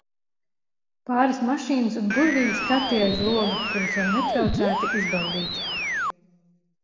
Pāris mašīnas un burvīgi skati aiz loga, kurus var netraucēti izbaudīt.